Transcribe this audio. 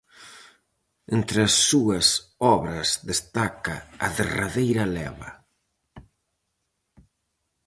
Entre as súas obras destaca "A derradeira leva".